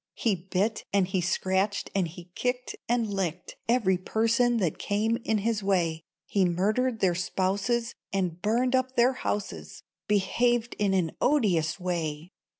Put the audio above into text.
He bit, and he scratched, and he kicked, And licked Every person that came in his way; He murdered their spouses And burned up their houses, Behaved in an odious way.